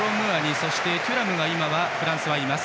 そして、テュラムがフランスはいます。